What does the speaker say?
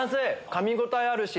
かみ応えあるし。